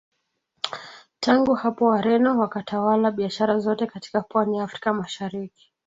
Tangu hapo Wareno wakatawala biashara zote katika Pwani ya Afrika Mashariki